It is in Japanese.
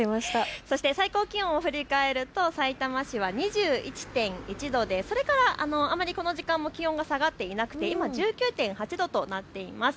そして最高気温を振り返るとさいたま市は２１．１度でそれからあまりこの時間も気温は下がっていなくて今１９．８度となっています。